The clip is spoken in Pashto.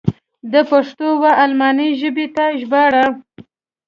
د پښتو و الماني ژبې ته ژباړه.